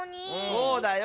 そうだよ。